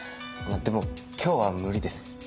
でも今日は無理です。